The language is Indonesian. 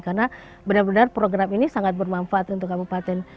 karena benar benar program ini sangat bermanfaat untuk kabupaten